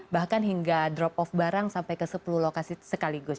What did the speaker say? bahkan hingga drop off barang sampai ke sepuluh lokasi sekaligus